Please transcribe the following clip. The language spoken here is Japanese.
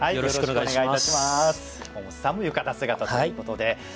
大本さんも浴衣姿ということで。